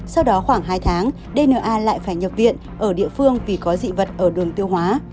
sau đó khoảng hai tháng dna lại phải nhập viện ở địa phương vì có dị vật ở đường tiêu hóa